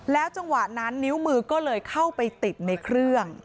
จังหวะนั้นนิ้วมือก็เลยเข้าไปติดในเครื่อง